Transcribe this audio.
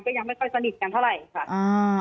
ยังไม่ค่อยสนิทกันเท่าไหร่ค่ะ